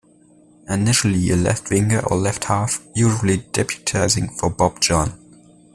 Initially a left-Winger or left-half, usually deputising for Bob John.